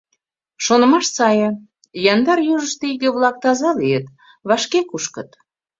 Шонымаш сае, яндар южышто иге-влак таза лийыт, вашке кушкыт.